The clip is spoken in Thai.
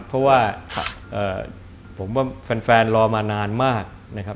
เพราะว่าผมว่าแฟนรอมานานมากนะครับ